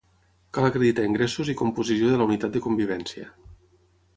Cal acreditar ingressos i composició de la unitat de convivència.